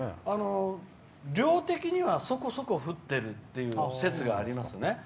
量的にはそこそこ降ってるという説がありますね。